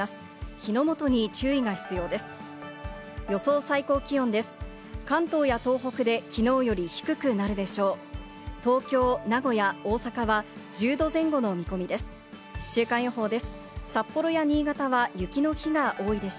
火の元に注意が必要です。